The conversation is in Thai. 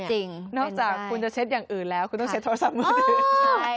นอกจากคุณจะเช็ดอย่างอื่นแล้วคุณต้องใช้โทรศัพท์มือถือ